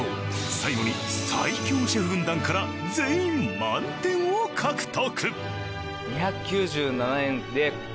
最後に最強シェフ軍団から全員満点を獲得！